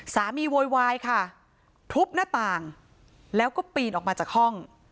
โวยวายค่ะทุบหน้าต่างแล้วก็ปีนออกมาจากห้อง